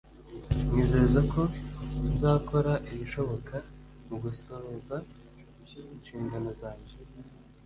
mwizeza ko nzakora ibishoboka mu gusohoza inshingano zanjye